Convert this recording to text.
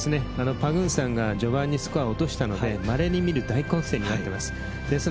パグンサンが序盤にスコアを落としたのでまれに見る大混戦になっています。